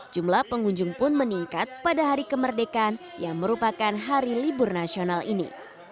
jumlah pengunjung pun meningkat pada hari kemerdekaan yang merupakan hari libur nasional ini